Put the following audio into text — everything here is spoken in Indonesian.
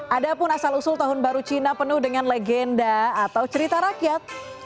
ada pun asal usul tahun baru cina penuh dengan legenda atau cerita rakyat